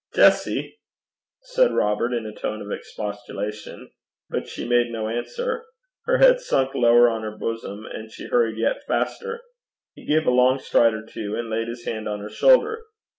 'Jessie!' said Robert, in a tone of expostulation. But she made no answer. Her head sunk lower on her bosom, and she hurried yet faster. He gave a long stride or two and laid his hand on her shoulder.